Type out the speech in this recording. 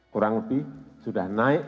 kurang lebih sudah naik